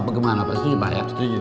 bagaimana pak setuju pak